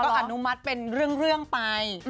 อนุมัติเป็นเรื่องไป